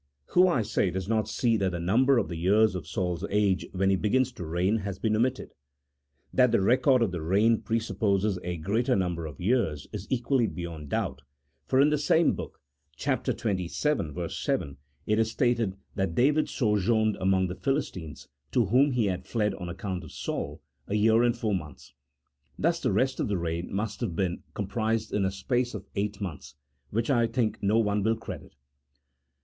Who, I say, does not see that the number of the years of Saul's age when he began to reign has been omitted? That the record of the reign presupposes a greater number of years is equally beyond doubt, for in the same book, chap, xxvii. 7, it is stated that David sojourned among the Philistines, to whom he had fled on account of Saul, a year and four months ; thus the rest of the reign must have been 1 See Note 16. 138 A THEOLOGICO POLITICAL TREATISE. [CHAP. IX. comprised in a space of eight months, which I think no one ■will credit.